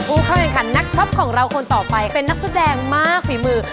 ผู้เข้าแข่งขันนักช็อปของเราคนต่อไปเป็นนักแสดงมากฝีมือ